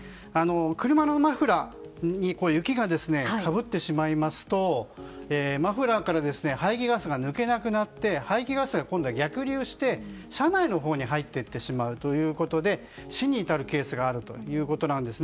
車のマフラーに雪がかぶってしまいますとマフラーから排気ガスが抜けなくなって排気ガスが逆流して車内のほうに入ってしまうということで死に至るケースがあるということなんですね。